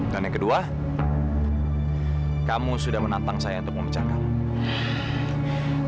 dan yang kedua kamu sudah menantang saya untuk memecahkanmu